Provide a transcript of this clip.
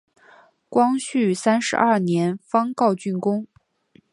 光绪三十二年方告竣工。